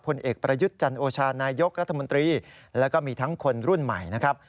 ผลเอกประยุทธ์จันโอชานายกรัฐมนตรีแล้วก็มีทั้งคนรุ่นใหม่นะครับ